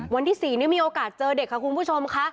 วันที่๔นี่มีโอกาสเจอเด็กค่ะคุณผู้ชมค่ะ